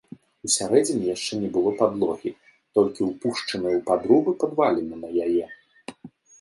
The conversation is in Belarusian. Усярэдзіне яшчэ не было падлогі, толькі ўпушчаныя ў падрубы падваліны на яе.